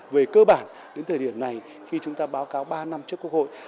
về cơ bản đến thời điểm này khi chúng ta báo cáo ba năm trước quốc hội